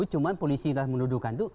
cuma polisi telah menuduhkan itu